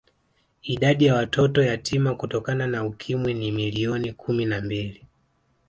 Idadi ya watoto yatima Kutokana na Ukimwi ni milioni kumi na mbili